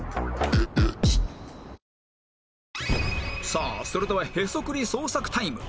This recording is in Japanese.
さあそれではへそくり捜索タイム